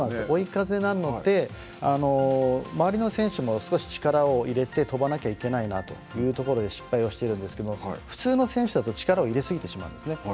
追い風なので周りの選手も少し力を入れて飛ばなきゃいけないなというところで失敗をしているんですけども普通の選手だと力を入れ過ぎてしまうんですね。